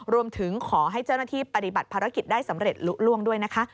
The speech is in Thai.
รวมถึงขอให้เจ้าหน้าที่ปฏิบัติภารกิจได้สำเร็จลุล่วงด้วยนะคะ